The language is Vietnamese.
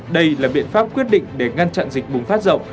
đây là biện pháp quyết định để ngăn chặn dịch bùng phát rộng